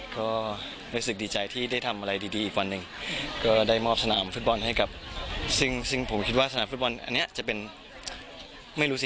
ก็รู้สึกดีใจที่ได้ทำอะไรดีอีกวันหนึ่งก็ได้มอบสนามฟุตบอลให้กับซึ่งผมคิดว่าสนามฟุตบอลอันนี้จะเป็นไม่รู้สิ